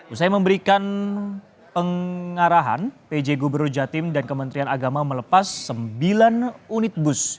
usai memberikan pengarahan pj gubernur jatim dan kementerian agama melepas sembilan unit bus